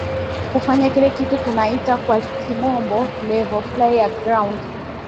kufanya kile kitu tunaita kwa kimombo level play ground